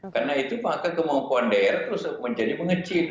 karena itu maka kemampuan daerah terus menjadi mengecil